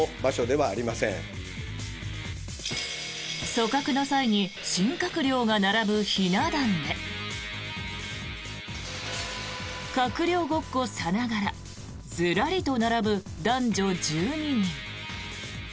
組閣の際に新閣僚が並ぶひな壇で閣僚ごっこさながらずらりと並ぶ男女１２人。